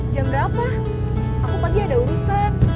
jam berapa aku pagi ada urusan